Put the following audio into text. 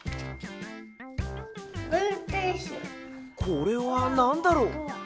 これはなんだろう？